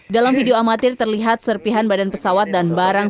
dalam video amatir terlihat serpihan badan pesawat dan barang